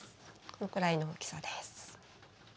このくらいの大きさです。